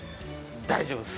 大丈夫です。